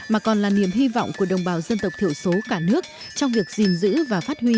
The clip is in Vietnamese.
mà còn là niềm hy vọng của đồng bào dân tộc thiểu số cả nước trong việc gìn giữ và phát huy